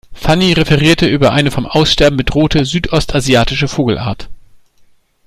Fanny referiert über eine vom Aussterben bedrohte südostasiatische Vogelart.